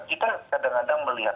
kita kadang kadang melihat